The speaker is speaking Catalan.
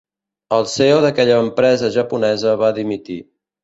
El CEO d'aquella empresa japonesa va dimitir.